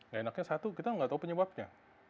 gak enaknya satu kita nggak tahu penyebabnya